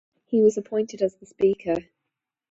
He was appointed as the speaker.